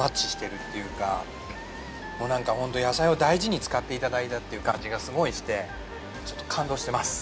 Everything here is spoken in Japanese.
もうなんかホントに野菜を大事に使って頂いたっていう感じがすごいしてちょっと感動してます。